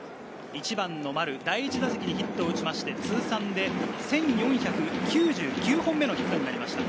１番の丸、第１打席にヒットを打って、通算で１４９９本目のヒットとなりました。